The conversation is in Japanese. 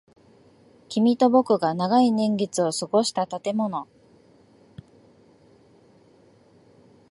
君と僕が長い年月を過ごした建物。